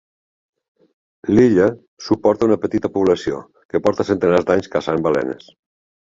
L'illa suporta una petita població que porta centenars d'anys caçant balenes.